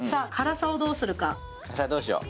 辛さどうしよう？